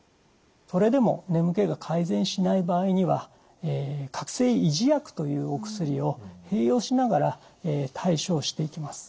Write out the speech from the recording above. それでも眠気が改善しない場合には覚醒維持薬というお薬を併用しながら対症していきます。